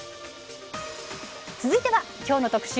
続いてはきょうの特集